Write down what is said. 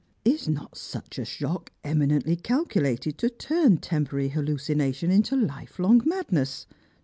Is not such a Bhock eminently calculated to turn temporary hallucination into life long madness